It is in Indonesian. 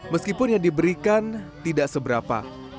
meskipun yang diberikan tidak seberapa